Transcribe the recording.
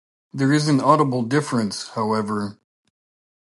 There is an audible difference, however.